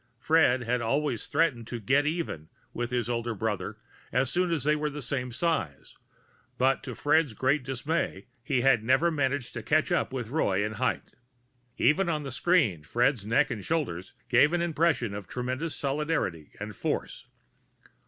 Fred had always threatened to "get even" with his older brother as soon as they were the same size, but to Fred's great dismay he had never managed to catch up with Roy in height. Even on the screen, Fred's neck and shoulders gave an impression of tremendous solidity and force.